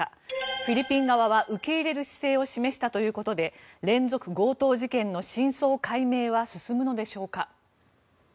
フィリピン側は受け入れる姿勢を示したということで連続強盗事件の真相解明は進むのでしょうか。